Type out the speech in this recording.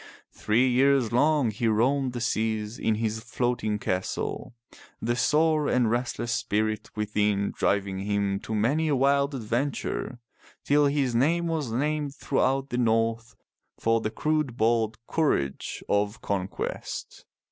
Three years long he roamed the seas in his floating castle, the sore and restless spirit within driving him to many a wild adventure, till his name was named throughout the North for the crude bold courage of con quest.